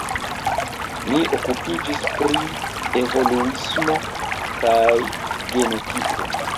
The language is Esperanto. Li okupiĝis pri evoluismo kaj genetiko.